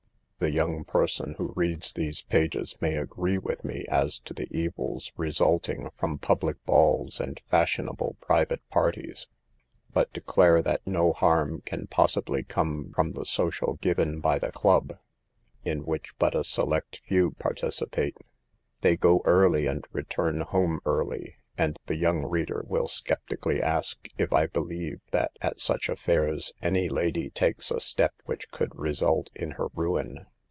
The young person who reads these pages may agree with me as to the evils resulting from public balls and fashionable private par ties, but declare that no harm can possibly come from the social given by the club, in THE EVILS OF DANCING. 105 which but a select few participate. They go early and return home early, and the young reader will skeptically ask if I believe that at such affairs any lady takes a step which could result in her ruin